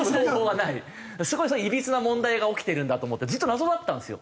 すごいいびつな問題が起きてるんだと思ってずっと謎だったんですよ。